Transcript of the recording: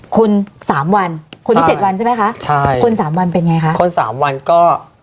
คนสามวันคนที่เจ็ดวันใช่ไหมคะใช่คนสามวันเป็นไงคะคนสามวันก็